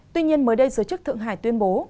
tuy nhiên mới đây giới chức thượng hải tuyên bố